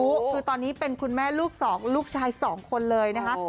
คือตอนนี้เป็นคุณแม่ลูกสองลูกชาย๒คนเลยนะคะ